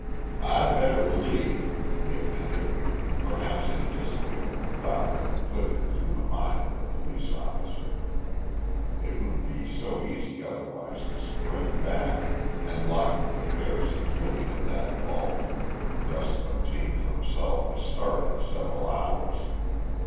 "I'd better lead," he appended, perhaps anticipating the thought that flitted through the mind of the police officer. It would be so easy otherwise to spring back, and locking the pair securely in that vault, thus obtain for himself a start of several hours.